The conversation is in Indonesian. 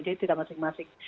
jadi tidak masing masing